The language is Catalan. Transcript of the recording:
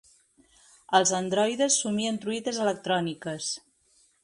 Els androides somien truites electròniques.